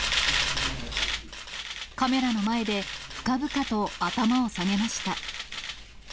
カメラの前で、深々と頭を下げました。